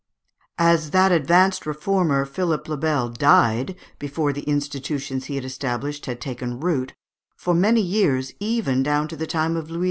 As that advanced reformer, Philippe le Bel, died before the institutions he had established had taken root, for many years, even down to the time of Louis XI.